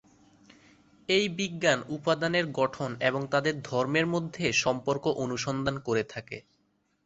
এই বিজ্ঞান উপাদানের গঠন এবং তাদের ধর্মের মধ্যে সম্পর্ক অনুসন্ধান করে থাকে।